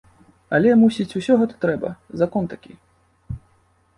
Але, мусіць, усё гэта трэба, закон такі.